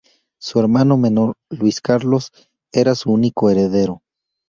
Su hermano menor, Luis Carlos, era su único heredero.